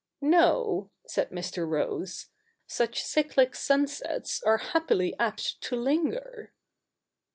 'No,' said Mr. Rose, ' such cyclic sunsets are happily apt to linger.'